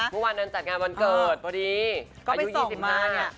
ที่ผู้ว่านั้นจัดงานวันเกิดพอดีอายุ๒๕นะคะอเรนนี่ก็ไปส่องมาเนี่ย